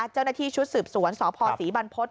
เจ้าหน้าที่ชุดสืบสวนสพศรีบรรพฤษ